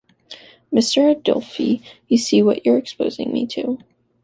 Mr. Adolphe, you see what you're exposing me to...